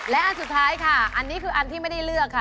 และอันสุดท้ายค่ะอันนี้คืออันที่ไม่ได้เลือกค่ะ